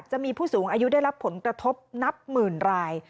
จะมีผู้สูงอายุได้รับผลกระทบนับหมื่นราย